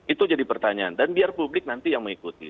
itu jadi pertanyaan dan biar publik nanti yang mengikuti